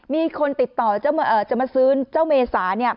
มีคนติดต่อจะมาซื้อเจ้าเมษา